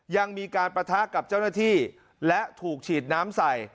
ยังมีการปะทะกับเจ้าหน้าที่และถูกฉีดน้ำใส่